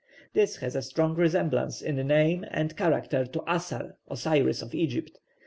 This has a strong resemblance in name and character to Asar, Osiris, of Egypt.